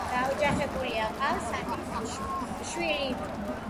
დაოჯახებულია ჰყავს სამი შვილი.